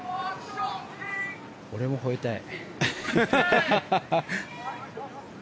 俺もほえたい。